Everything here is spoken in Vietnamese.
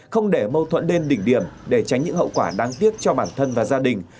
không để mâu thuẫn đến đỉnh điểm để tránh những hậu quả đáng tiếc cho bản thân và gia đình